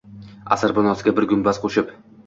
Asr binosiga bir gumbaz qo’shib